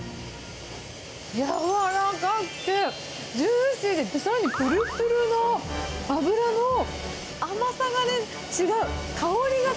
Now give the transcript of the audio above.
やわらかくてジューシーで、さらにぷるぷるの脂の甘さが全然違う。